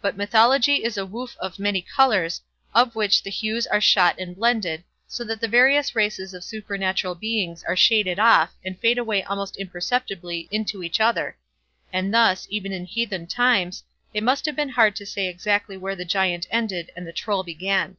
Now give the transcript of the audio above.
But mythology is a woof of many colours, in which the hues are shot and blended, so that the various races of supernatural beings are shaded off, and fade away almost imperceptibly into each other; and thus, even in heathen times, it must have been hard to say exactly where the Giant ended and the Troll began.